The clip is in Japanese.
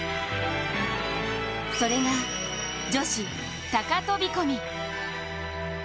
それが、女子高飛び込み。